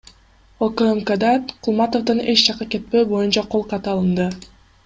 УКМКда Кулматовдон эч жакка кетпөө боюнча кол каты алынды.